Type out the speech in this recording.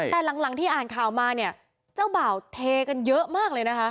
แต่หลังที่อ่านข่าวมาเนี่ยเจ้าบ่าวเทกันเยอะมากเลยนะคะ